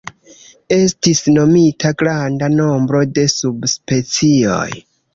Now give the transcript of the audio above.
Estis nomita granda nombro de subspecioj.